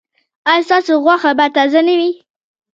ایا ستاسو غوښه به تازه نه وي؟